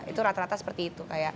itu rata rata seperti itu